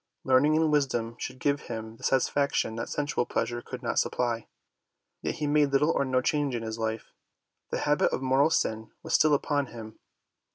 Learning and wisdom should give him the satisfaction that sensual pleasure could not supply. Yet he made little or no change in his life. The habit of mortal sin was still upon him.